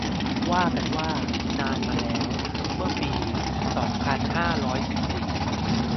ว่ากันว่า นานมาแล้ว เมื่อปี สองพันห้าร้อยสิบสี่